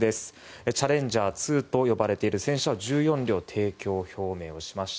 チャレンジャー２と呼ばれている戦車の１４両提供表明をしました。